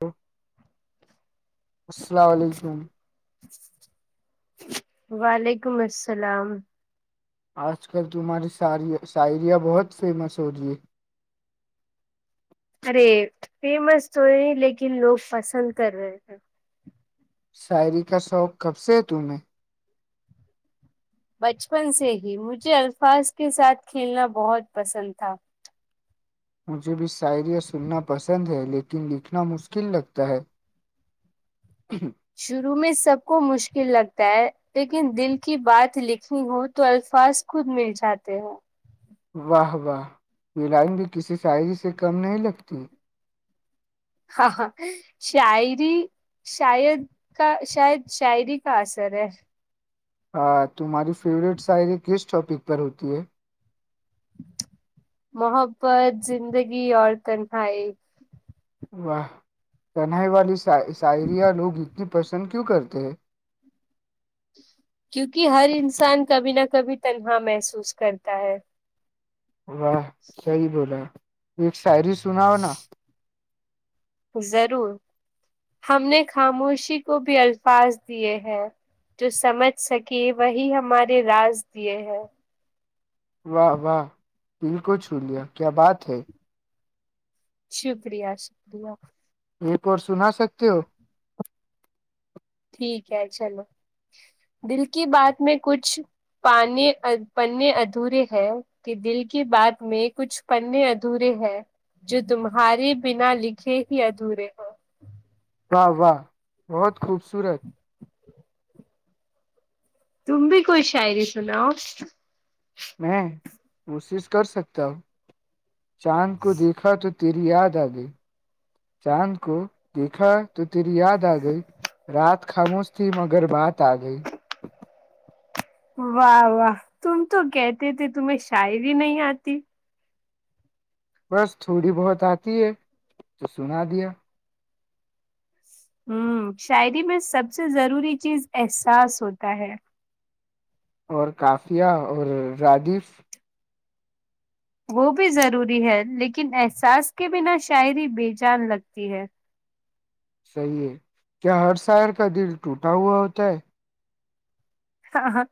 [unintelligible] السلام علیکم وعلیکم السلام آج کل تمہاری سا شاعریاں بہت فیمس ہو رہی ہے ارے فیمس تو ہے لیکن لوگ پسند کر رہے تھ شاعری کا شوق کب سے ہے ت میں بچپن سے ہی مجھے الفاظ کے ساتھ کھیلنا بہت پسند تھا مجھے بھی شاعر سننا پسند ہے لیکن لکھنا مشکل لگتا ہے [inaudible] شروع میں سب کو مشکل لگتا ہے لیکن دل کی بات لکھنی ہو تو الفاظ خود مل جاتے ہیںوں واہ واہ ملائم بھی کسی سائز سے کم نہیں لگتی ہاں ہاں شاعری شاید کا شاید شاعری کا اثر ہے ہاں تمہاری فیوریٹ ساعری کس ٹاپک پر ہوتی ہے محبت زندگی اور کنھائی واہ تنائی والی سے سائرییا لوگیت پسند کیو کرتے ہیں کیونکہ ہر انسان کبھی نہ کبھی تنہا محسوس کرتا ہے واہ صحیح بولا شعری سناؤ نا ضرور ہم نے خاموشی کو بھی الفاظ دیے ہیں جو سمجھ سکے وہی ہمارے راز دیے ہیں واہ واہ بالکل چو لیا کیا بات ہے شکریہ شکریہ ایک سنا سکتے ہو ٹھیک ہے چلو دل کی بات میں کچھ پے پنے ادھورے ہے کہ دل کی بات میں کچھ پنے ادھورے ہے جو تمہارے بنا لکھے ہی ادھورے ہیں واہ واہ بہت خوبصورت تم بھی کوئی شاعری سناؤ میں کوشش کر سکتا ہوں چاند کو دیکھا تو تیری یاد آ گئی چاند کو دیکھا تو تیری یاد آ گئی رات خاموش تھی مگر بات آ گئی واہ واہ تم تو کہتے تھے تمہیں شاعری نہیں آتی بس تھوڑی بہت آتی ہے تو سنا دیا ہوں شاعری میں سب سے ضروری چیز احساس ہوتا ہے اور کافیہ اور راجیف وہ بھی ضروری ہے لیکن احساس کے بنا شاعری بے جان لگتی ہے صحیح ہے کیا ہر شار کا دل ٹوٹا ہوا ہوتا ہے ہاں ہاں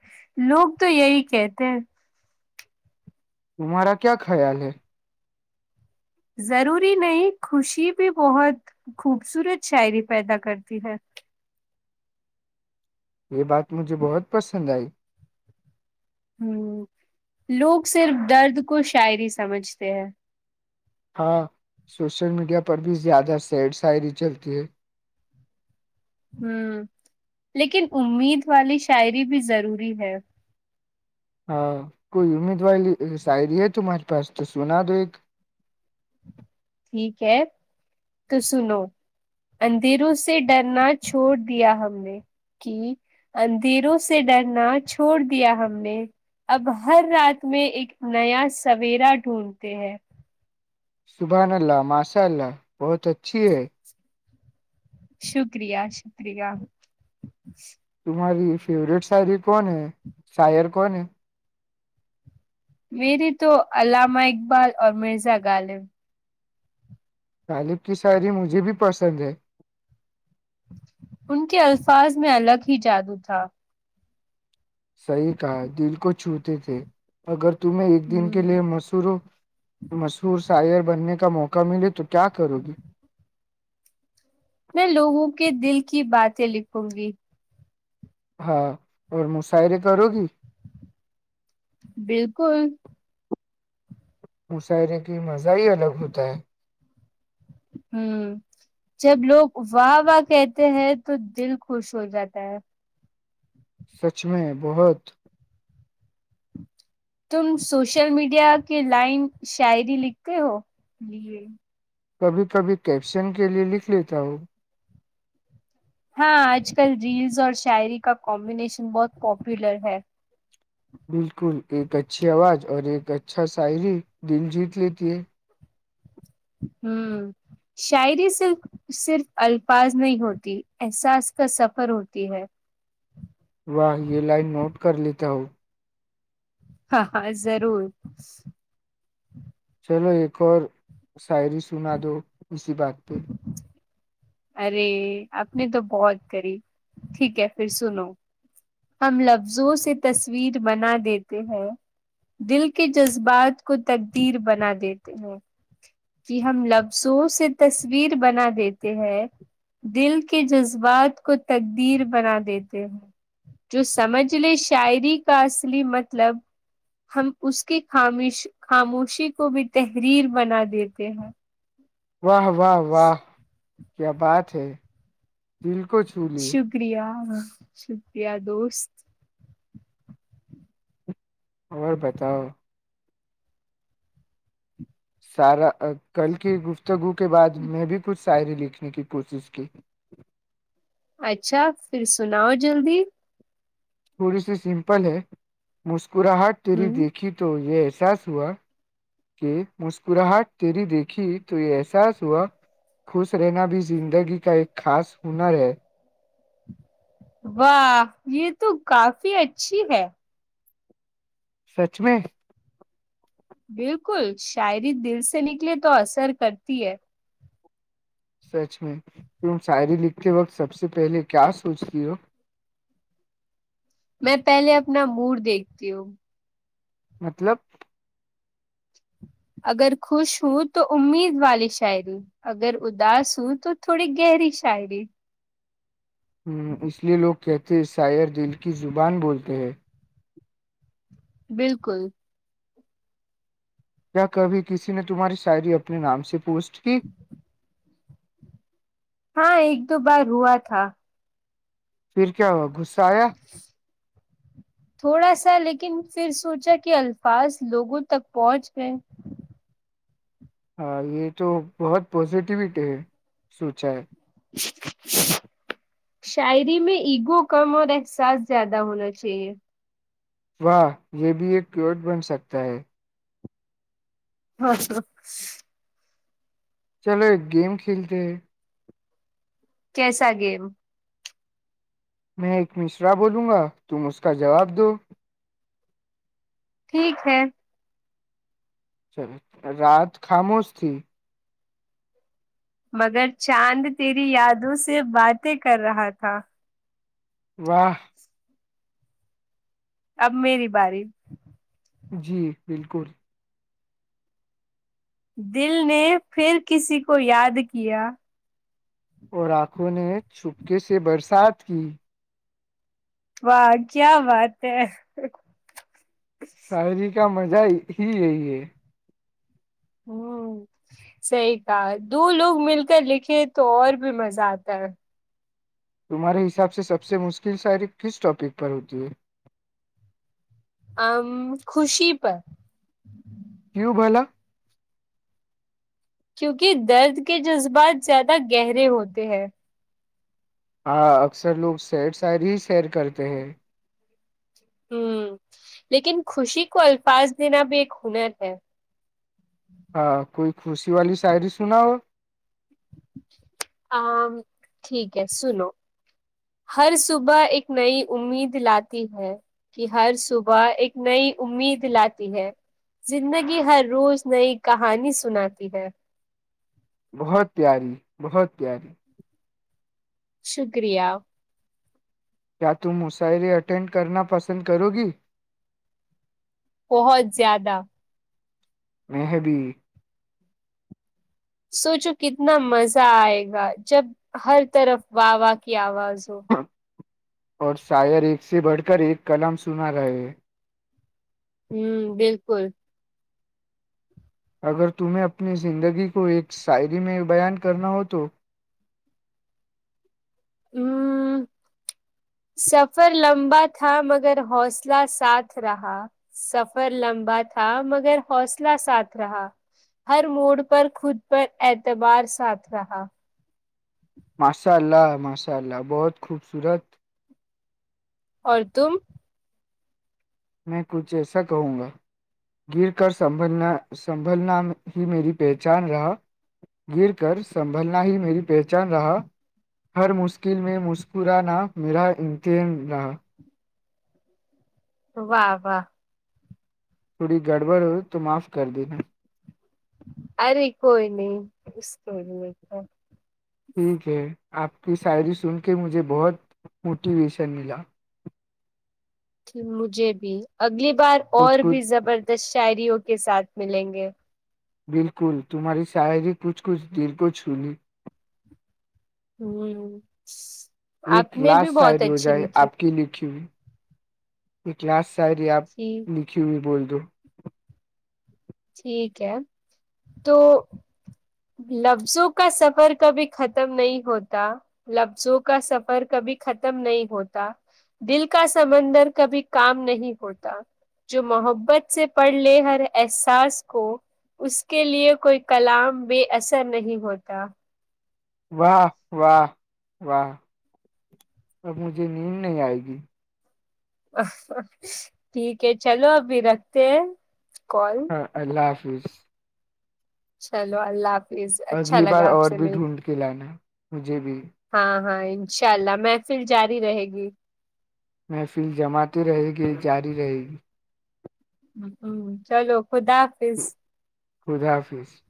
لوگ تو یہی کہتے ہیں تمہارا کیا خیال ہے ضروری نہیں، خوشی بھی بہت خوبصورت شاعری پیدا کرتی ہے یہ بات مجھے بہت پسند آئی ہ لوگ صرف درد کو شاعری سمجھتے ہیں ہاں سوشل میڈیا پر بھی زیادہ سیڈ ساعری چلتی ہے ہوں لیکن امید والی شاعری بھی ضروری ہے کوئی امید وال شاعری ہے تمہارے پاس تو سنا دو ایک ٹھیک ہے تو سنو اندھیروں سے ڈرنا چھوڑ دیا ہم نے کہ اندھیروں سے ڈرنا چھوڑ دیا ہم نے اب ہر رات میں ایک نیا سویرا ڈھونڈتے ہیں سبحان اللہ ماشاء اللہ بہت اچھی ہے شکریہ شکریہ [unintelligible] ہماری فورٹ س کون شر [unintelligible] کوئی نہیں میری تو علامہ اقبال اور مرزا غالب غالب کی شاعری مجھے بھی پسند ہے ان کے الفاظ میں الگ ہی جادو تھا صحیح کہا دل کو چھوٹ تھے اگر [unintelligible] تمیں ایک ہ دن کے لیے مشہوروں مشہور سے شائر بننے کا موقع ملے تو کیا کرو گی میں لوگوں کے دل کی باتیں لکھوں گی ہاں اور مشعرے کرو گی بالکل [unintelligible] مشعرے کی مزہ ہی الگ ہوتا ہے ہوں جب لوگ واہ واہ کہتے ہیں تو دل خوش ہو جاتا ہے سچ میں بہت [unintelligible] تم سوشل میڈیا کے لائن شاعری لکھتے ہو کبھی کبھی کیپشن کے لئے لکھ لیتا ہوں ہاں آج کل ریلز اور شاعری کا کمبینیشن بہت پاپولر ہے بالکل ایک اچھی آواز اور ایک اچھا شاعری دل جیت لیتی ہے ہ شاعری صر صرف الفاظ نہیں ہوتی احساس کا سفر ہوتی ہے واہ یہ لائن نوٹ کر لیتا ہو ہاں ہاں ضرور [unintelligible] چلو ایک اور [unintelligible] شعری سنا دو اسی بات پہ [unintelligible] ارے آپ نے تو بہت کری ٹھیک ہے پھر سنو ہم لفظوں سے تصویر بنا دیتے ہیں دل کے جذبات کو تقدیر بنا دیتے ہیں کہ ہم لفظوں سے تصویر بنا دیتے ہیں دل کے جذبات کو تقدیر بنا دیتے ہیں جو سمجھ لے شاعری کا اصلی مطلب ہم اس کی خامش خاموشی کو بھی تحریر بنا دیتے کہ ہ [unintelligible] واہ واہ واہ [unintelligible] کیا بات ہے دل کو [unintelligible] لی شکریہ [unintelligible] شدیہ دوست [unintelligible] اور بتاؤ [unintelligible] سارا [unintelligible] کل کی گفتگو کے بعد میں بھی کچھ [inaudible] شاعری لکھنے کی کوشش کی [inaudible] اچھا پھر سناؤ جلدی [unintelligible] تھوڑی سی سمپل ہے مش [unintelligible] کراہٹ تیری ہوں دیکھی تو یہس [unintelligible] احساس ہوا کہ مسکراہٹ تیری دیکھی تو یہ احساس ہوا خوش رہنا بھی زندگی کا ایک خاص ہنر ہے [unintelligible] واہ یہ تو کافی اچھی ہے [unintelligible] سچ میں [inaudible] بالکل شاعری دل سے نکلے تو اثر کرتی ہے [unintelligible] سچ میں تم شاعری لکھتے وقت سب سے پہلے کیا سوچتی ہو [unintelligible] میں پہلے اپنا موڈ دیکھتی ہوں [unintelligible] مطلب [inaudible] اگر خوش ہوں تو امید والی شاعری اگر اداس ہوں تو تھوڑی گہری شاعری [unintelligible] ہوں اس لیے لوگ [unintelligible] کہتے عیسار دل کی زبان بولتے ہیں [unintelligible] بالکل [unintelligible] یا کبھی کسی نے تمہاری شاعری اپنے نام سے پوچھ [unintelligible] ھ [inaudible] ہاں ایک دو بار ہوا تھا [unintelligible] پھر کیا ہوا گغص [unintelligible] چایا [inaudible] تھوڑا سا لیکن پھر سوچا کہ الفاظ لوگوں تک پہنچ گئے [unintelligible] ہاں یہ تو بہت پازیٹیوٹی ہے سوچا ہے [unintelligible] [inaudible] شاعری میں ایگو کم اور احساس زیادہ ہونا چاہیے [unintelligible] واہ یہ [unintelligible] بھی ایک کیوٹ بن سکتا ہے ہاں [inaudible] چلو ایک گیم کھیلتے ہیں [unintelligible] کیسا گیم [unintelligible] میں ایک مشرا بولوں گا تم اس کا جواب دو [unintelligible] ٹھیک ہے [unintelligible] چلے رات خاموس ت [unintelligible] مگر چاند تیری یادوں سے باتیں کر رہا تھا [unintelligible] واہ [inaudible] اب میری باری [unintelligible] جی بالکل [unintelligible] دل نے پھر کسی کو یاد کیا [unintelligible] اور آنکھوں نے چھپکے سے برسات کی واہ کیا بات ہے شعری کیا مزہ ہی ہے یہ ہ صحی کہا دو لوگ مل کر لکھے تو اور بھی مزہ آتا ہے تمہارے حساب سے سب سے مشکل شاعری کس ٹاپک پر ہوتی ہے ا خوشی پر کیوں بولا کیونکہ درد کے جذبات زیادہ گہرے ہوتے ہیں ہاں اکثر لوگ سیر سیر ہی سیر کرتے ہیں ہوں لیکن خوشی کو الفاظ دینا بھی ایک ہنر ہے ہاں کوئی خوشی والی شاعری سنا ہو ٹھیک ہے سنو ہر صبح ایک نئی امید لاتی ہے کہ ہر صبح ایک نئی امید لاتی ہے زندگی ہر روز نئی کہانی سناتی ہے بہت پیاری بہت پیاری شکریہ کیا تم مشعرے اٹینڈ کرنا پسند کرو گی بہت زیادہ محبی سوچو کتنا مزہ آئے گا جب ہر طرف و واہ کی آواز سو اور شار ایک سے بڑھ کر ایک قلم سنا رہے ہوں بالکل اگر تمہیں اپنی زندگی کو ایک شاعری میں بیان کرنا ہو تو ہ سفر لمبا تھا مگر حوصلہ ساتھ رہا سفر لمبا تھا مگر حوصلہ ساتھ رہا ہر موڑ پر خود پر اعتبار ساتھ رہا ماشاء اللہ ماشاء اللہ بہت خوبصورت اور تم میں کچھ ایسا کہوں گا گر کر سنبھلنا سنبھلنا ہی میری پہچان رہا گر کر سنبھلنا ہی میری پہچان رہا ہر مشکل میں مسکرانا میرا امتن رہا واہ واہ تھوڑی گڑبڑ ہو تو معاف کر دینا ارے کوئی نہیں اس کو نہیں ہک آپ کی شاعری سن کے مجھے بہت موٹیویشن ملا مجھے بھی اگلی بار اور کچھ کچھ بھی زبردست شاعری ہوتی کے ساتھ ملیں گے بالکل تمہاری شاعری کچھ کچھ دل کو چھونی ہوں ایک آپ نے بھی لاسٹ بہت شاعری ہو اچھی جائے لکھی آپ کی لکھی ہوئی ا کلاس شر آپ تھی لکھی ہو بھی بولتے دو ٹھیک ہے تو لفظوں کا سفر کبھی ختم نہیں ہوتا لفظوں کا سفر کبھی ختم نہیں ہوتا دل کا سمندر کبھی کام نہیں ہوتا جو محبت سے پڑھ لے ہر ایسا ساز کو اس کے لیے کوئی کلام بے اثر نہیں ہوتا واہ واہ واہ اب مجھے نیند نہیں آئے گی ٹھیک ہے چلو ابھی رکھتے ہیں کال ہاں اللہ حافظ چلو اللہ ح اگلی بار اور بھی ڈھونڈ کے لانا مجھے بھی ہاں ہاں انشاء اللہ محفل جاری رہے گی محفل جماتی رہے گی جاری رہے گی ہ چلو خدافظ خدا حافظ